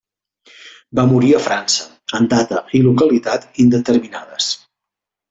Va morir a França en data i localitat indeterminades.